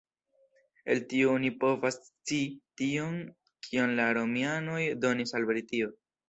El tio oni povas scii tion, kion la Romianoj donis al Britio.